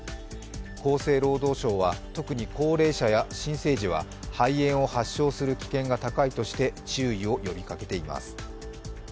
厚生労働省は特に高齢者や新生児は肺炎を発症する危険が高いとして注意を呼びかけています。